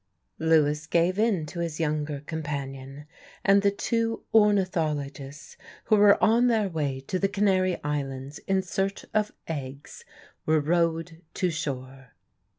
Lewis gave in to his younger companion, and the two ornithologists, who were on their way to the Canary Islands in search of eggs, were rowed to shore.